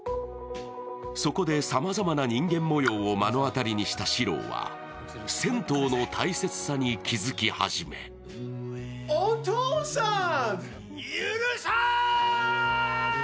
そこでさまざまな人間もようを目の当たりにした史朗は、銭湯の大切さに気付き始め許さん！